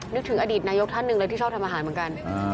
นึกถึงอดีตนายกท่านหนึ่งเลยที่ชอบทำอาหารเหมือนกัน